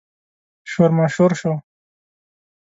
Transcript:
شور ماشور شو.